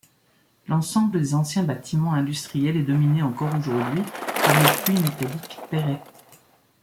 L’ensemble des anciens bâtiments industriels est dominé encore aujourd’hui par le puits métallique Perret.